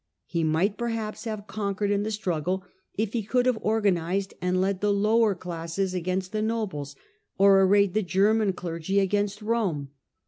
He might, perhaps, have conquered in the struggle if he could have or ganised and led the lower classes against the nobles, or arrayed the German clergy against Rome.